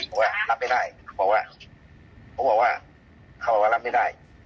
บอกว่ารับไม่ได้บอกว่าเขาบอกว่ารับไม่ได้